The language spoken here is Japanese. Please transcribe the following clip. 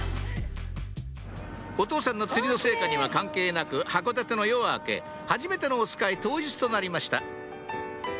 お父さんの釣りの成果には関係なく函館の夜は明けはじめてのおつかい当日となりました